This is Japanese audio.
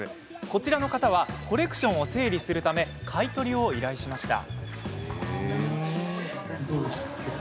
こちらの方はコレクションを整理するため買い取りを依頼しました。